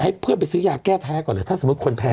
เพื่อนไปซื้อยาแก้แพ้ก่อนเลยถ้าสมมุติคนแพ้